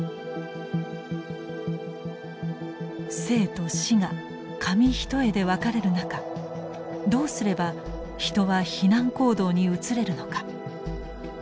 生と死が紙一重で分かれる中どうすれば人は避難行動に移れるのか。